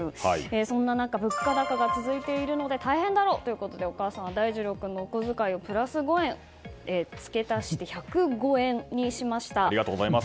そんな中、物価高が続いていて大変だろうということでお母さんは大二郎君のお小遣いをプラス５円付け足して１０５円にしました。